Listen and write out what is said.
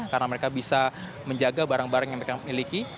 karena mereka bisa menjaga barang barang yang mereka miliki